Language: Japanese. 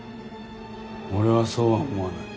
俺はそうは思わない。